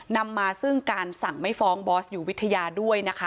นำมาซึ่งการสั่งไม่ฟ้องบอสอยู่วิทยาด้วยนะคะ